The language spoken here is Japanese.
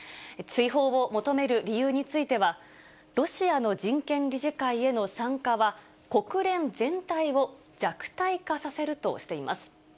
追放を求める理由については、ロシアの人権理事会への参加は、国連全体を弱体化させるとしています。